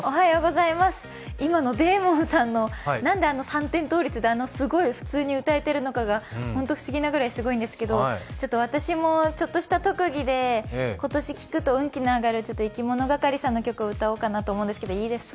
今のデーモンさんの、何であの三点倒立で普通に歌えているのかが本当不思議なくらいすごいんですけど私もちょっとした特技で今年聞くと運気の上がるいきものがかりさんの楽曲を歌おうと思うんですがいいですか？